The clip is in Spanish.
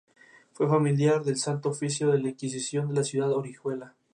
Fue Familiar del Santo Oficio de la Inquisición de la ciudad de Orihuela.